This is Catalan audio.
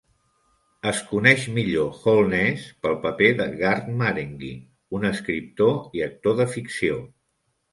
Es coneix millor Holness pel paper de Garth Marenghi, un escriptor i actor de ficció.